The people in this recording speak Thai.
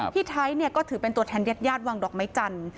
พี่ไทยก็ถือเป็นตัวแทนญาติญาติวางดอกไม้จันทร์